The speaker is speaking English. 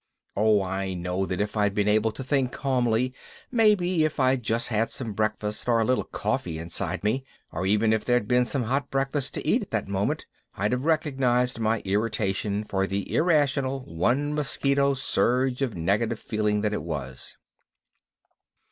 Oh, I know that if I'd been able to think calmly, maybe if I'd just had some breakfast or a little coffee inside me, or even if there'd been some hot breakfast to eat at that moment, I'd have recognized my irritation for the irrational, one mosquito surge of negative feeling that it was.